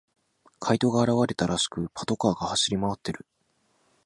怪盗が現れたらしく、パトカーが走り回っている。